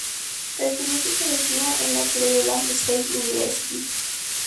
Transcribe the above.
Estudió psicología en la Cleveland State University.